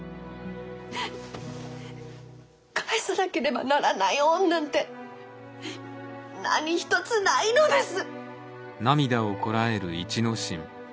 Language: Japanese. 返さなければならない恩なんて何一つないのです！